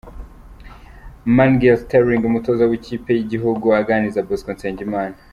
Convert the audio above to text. Magnell Sterling umutoza w'ikipe y'igihugu aganiriza Bosco Nsengimana.